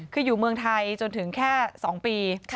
คืออยู่เมืองไทยจนถึงแค่๒ปี